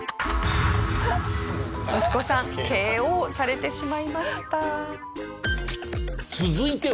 息子さんＫＯされてしまいました。